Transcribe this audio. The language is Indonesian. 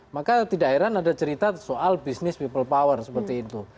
maka tidak heran ada cerita soal bisnis people power seperti itu